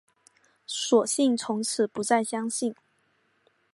索性从此不再相信